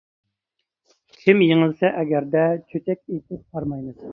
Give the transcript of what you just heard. كىم يېڭىلسە ئەگەردە، چۆچەك ئېيتىپ ھارمايمىز.